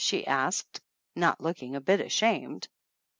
she asked, not looking a bit ashamed.